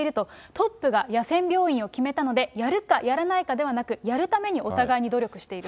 トップが野戦病院を決めたので、やるか、やらないかではなく、やるためにお互いに努力していると。